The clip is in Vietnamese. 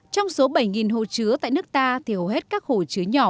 trong số bảy hồ chứa tại nước ta thì hầu hết các hồ chứa nhỏ